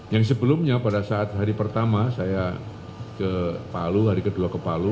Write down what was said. yang sebelumnya pada saat hari pertama saya ke palu hari kedua ke palu